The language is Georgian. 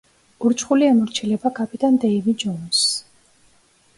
ურჩხული ემორჩილება კაპიტან დეივი ჯოუნსს.